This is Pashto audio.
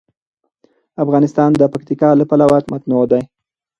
افغانستان د پکتیکا له پلوه متنوع دی.